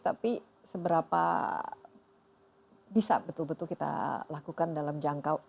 tapi seberapa bisa betul betul kita lakukan dalam jangkau